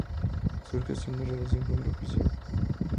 Surge así una relación con el oficial.